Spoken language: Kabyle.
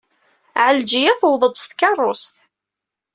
Ɛelǧiya tewweḍ-d s tkeṛṛust.